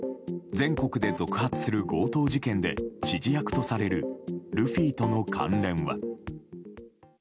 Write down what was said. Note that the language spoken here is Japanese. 全国で続発する強盗事件で指示役とされるルフィとの関連は。